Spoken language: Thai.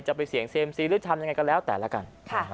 จะไปเสี่ยงเซ็มซีหรือทำยังไงก็แล้วแต่ละกัน